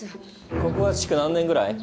ここは築何年ぐらい？